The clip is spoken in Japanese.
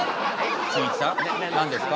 しんいちさん何ですか？